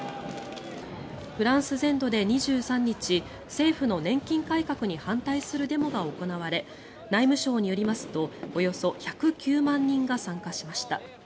フランス全土で２３日政府の年金改革に反対するデモが行われ内務省によりますとおよそ１０９万人が参加しました。